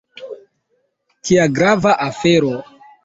Kia grava afero!